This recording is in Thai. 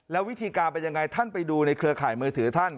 แล้ววิธีการเป็นยังไงท่านไปดูในเครือข่ายมือถือท่าน